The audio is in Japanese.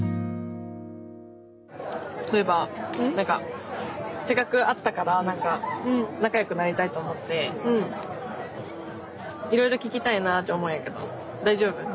そういえば何かせっかく会ったから仲よくなりたいと思っていろいろ聞きたいなっち思うんやけど大丈夫？